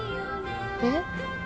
えっ？